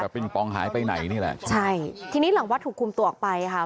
ปิงปองหายไปไหนนี่แหละใช่ทีนี้หลังวัดถูกคุมตัวออกไปค่ะ